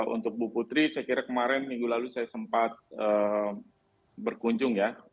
untuk bu putri saya kira kemarin minggu lalu saya sempat berkunjung ya